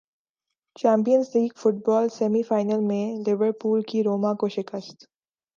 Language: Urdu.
champions League football semi final میں لیورپول کی روما کو شکست